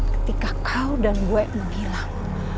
ketika kau dan gue menghilang